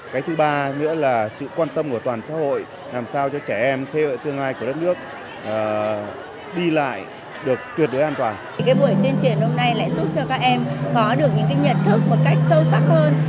cái buổi tuyên truyền hôm nay lại giúp cho các em có được những nhận thức một cách sâu sắc hơn